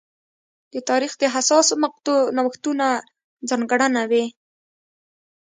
د تاریخ د حساسو مقطعو نوښتونه ځانګړنه وې.